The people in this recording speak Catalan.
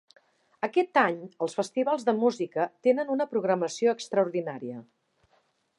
Aquest any els festivals de Música tenen una programació extraordinària.